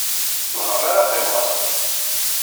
Deg uxxam ara qqimeɣ ass-a.